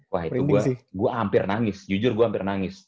wah itu gue hampir nangis jujur gue hampir nangis